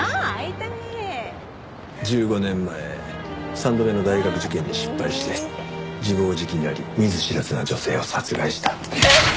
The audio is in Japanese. １５年前３度目の大学受験に失敗して自暴自棄になり見ず知らずの女性を殺害した。